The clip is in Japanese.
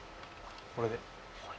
これで。